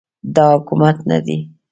دا حکومت نه دی